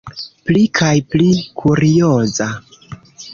Pli kaj pli kurioza.